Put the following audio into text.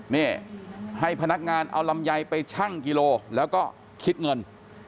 นี่ให้พนักงานเอาลำไยไปชั่งกิโลแล้วก็คิดเงิน